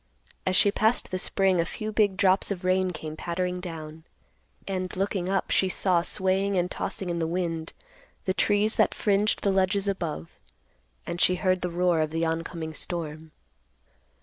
As she passed the spring, a few big drops of rain came pattering down, and, looking up, she saw, swaying and tossing in the wind, the trees that fringed the ledges above, and she heard the roar of the oncoming storm.